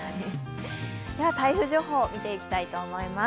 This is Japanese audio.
台風情報を見ていきたいと思います。